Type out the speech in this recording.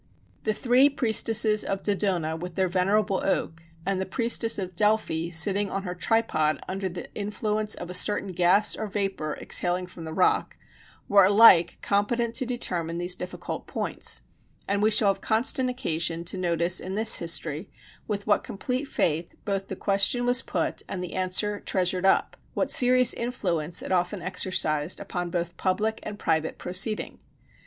The three priestesses of Dodona with their venerable oak, and the priestess of Delphi sitting on her tripod under the influence of a certain gas or vapor exhaling from the rock, were alike competent to determine these difficult points: and we shall have constant occasion to notice in this history with what complete faith both the question was put and the answer treasured up what serious influence it often exercised both upon public and private proceeding.